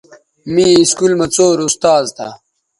می اسکول مہ څور استاذ تھہ